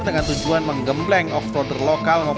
dengan tujuan menggembleng off roader lokal